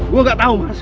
gue gak tau mas